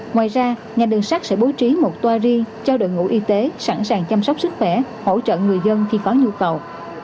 ngoài ra ngành đường sắt sẽ bố trí một toa riêng cho đội ngũ y tế sẵn sàng chăm sóc sức khỏe hỗ trợ người dân khi có nhu cầu